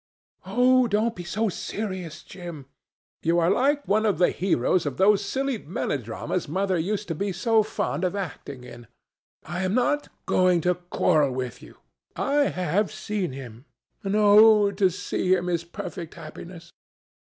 "Oh, don't be so serious, Jim. You are like one of the heroes of those silly melodramas Mother used to be so fond of acting in. I am not going to quarrel with you. I have seen him, and oh! to see him is perfect happiness.